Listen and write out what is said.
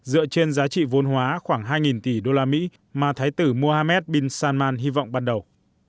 dựa trên giá trị vôn hóa khoảng hai tỷ usd mà thái tử mohammed bin salman hy vọng ban đầu